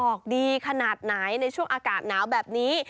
ออกดีขนาดไหนในช่วงอากาศหนาวแบบนี้